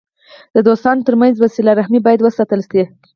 د دوستانو ترمنځ وسیله رحمي باید وساتل سي.